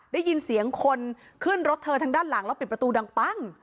ได้ยินเสียงคนขึ้นรถเธอทางด้านหลังแล้วปิดประตูดังปั้ง